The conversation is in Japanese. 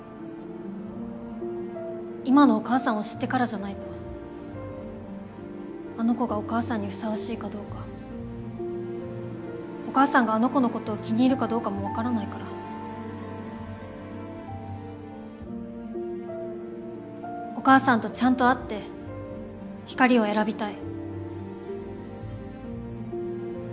今のお母さんを知ってからじゃないとあの子がお母さんにふさわしいかどうかお母さんがあの子のことを気に入るかどうかも分からないからお母さんとちゃんと会って光を選びたい。